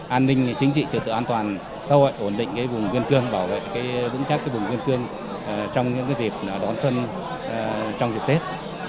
an ninh chính trị trực tự an toàn sâu ẩn ổn định cái vùng biên cương bảo vệ vững chắc cái vùng biên cương trong những cái dịp đón xuân trong dịp tết